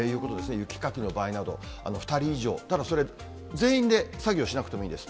雪かきの場合など、２人以上、ただそれ、全員で作業しなくてもいいんです。